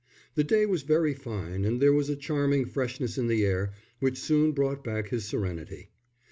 The day was very fine, and there was a charming freshness in the air which soon brought back his serenity.